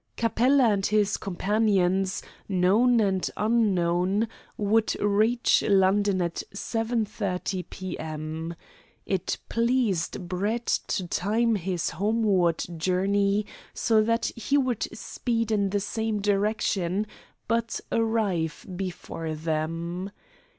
Capella and his companions, known and unknown, would reach London at 7.30 p.m. It pleased Brett to time his homeward journey so that he would speed in the same direction, but arrive before them.